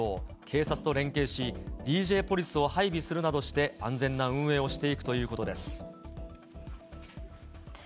警察と連携し、ＤＪポリスを配備するなどして安全な運営をしていくということです。